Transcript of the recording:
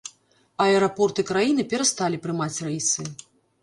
Аэрапорты краіны перасталі прымаць рэйсы.